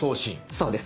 そうです。